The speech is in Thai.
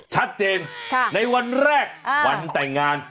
ชัดเจนในวันแรกวันแต่งงาน